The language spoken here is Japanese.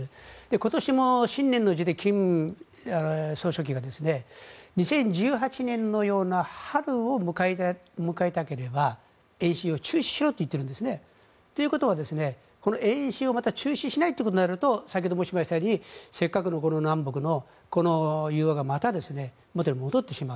今年も新年の辞で金総書記が２０１８年のような春を迎えたければ演習を中止しろと言っているんですね。ということは演習を中止しないとなると先ほど申しましたようにせっかくの南北の融和がまた元に戻ってしまう。